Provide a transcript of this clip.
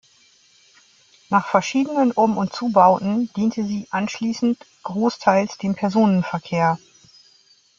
Nach verschiedenen Um- und Zubauten diente sie anschließend großteils dem Personenverkehr.